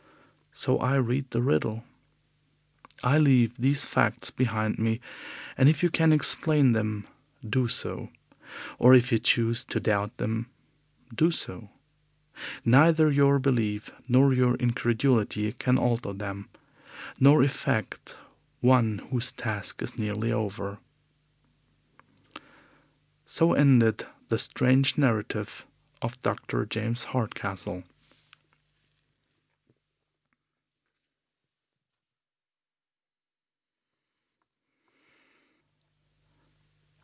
So I read the riddle. I leave these facts behind me, and if you can explain them, do so; or if you choose to doubt them, do so. Neither your belief nor your incredulity can alter them, nor affect one whose task is nearly over. So ended the strange narrative of Dr. James Hardcastle.